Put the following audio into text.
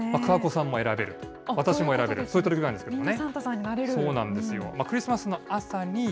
桑子さんも選べる、私も選べる、そういったことなんですけどもね。